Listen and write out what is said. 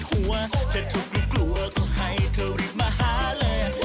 จะถูกลูกกลัวก็ให้เธอรีบมาหาแหล่ง